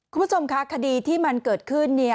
คุณผู้ชมคะคดีที่มันเกิดขึ้น